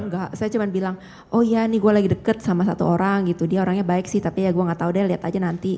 enggak saya cuma bilang oh ya ini gue lagi deket sama satu orang gitu dia orangnya baik sih tapi ya gue gak tau deh lihat aja nanti